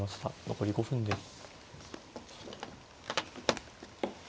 残り５分です。